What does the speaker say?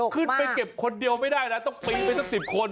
ขึ้นไปเก็บคนเดียวไม่ได้นะต้องปีนไปสัก๑๐คน